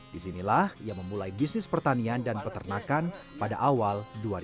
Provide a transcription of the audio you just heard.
di sinilah yang memulai bisnis pertanian dan peternakan pada awal dua ribu empat belas